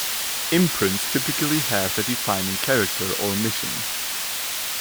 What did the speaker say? Imprints typically have a defining character or mission.